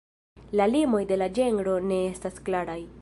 La limoj de la ĝenro ne estas klaraj.